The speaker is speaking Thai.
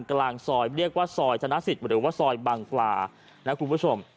กลางซอยเรียกว่าซอยธนสิทธิ์หรือว่าซอยบางปลานะคุณผู้ชม